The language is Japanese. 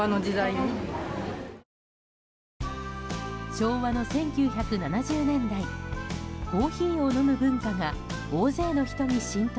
昭和の１９７０年代コーヒーを飲む文化が大勢の人に浸透